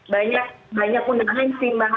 banyak undang undang sih mbak